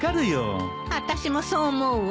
あたしもそう思うわ。